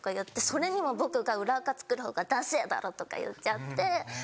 それにも僕が「裏アカ作る方がダセェだろ」とか言っちゃって。